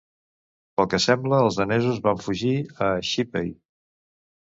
Pel que sembla, els danesos van fugir a Sheppey.